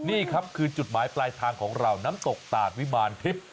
นี่ครับคือจุดหมายปลายทางของเราน้ำตกตาดวิมารทิพย์